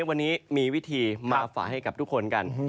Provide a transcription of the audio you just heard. วันนี้มีวิธีมาฝากให้กับทุกคนกัน